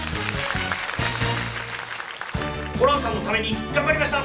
ホランさんのために頑張りました！